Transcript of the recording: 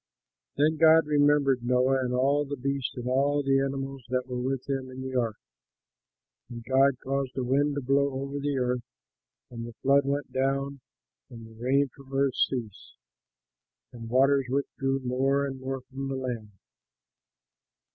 Then God remembered Noah and all the beasts and all the animals that were with him in the ark. And God caused a wind to blow over the earth, and the flood went down, the rain from heaven ceased, and the waters withdrew more and more from the land.